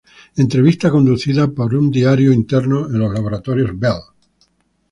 Entrevista conducida para un diario interno en los Laboratorios Bell.